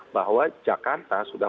bahwa jakarta sudah